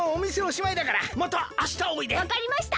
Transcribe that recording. わかりました！